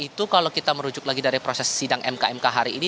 itu kalau kita merujuk lagi dari proses sidang mk mk hari ini